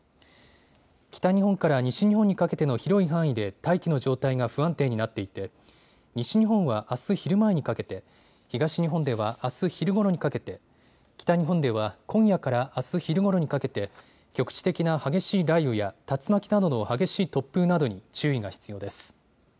北日本から西日本にかけての広い範囲で大気の状態が不安定になっていて西日本はあす昼前にかけて、東日本ではあす昼ごろにかけて、北日本では今夜からあす昼ごろにかけて局地的な激しい雷雨や竜巻などの激しい突風などに注意が必要です。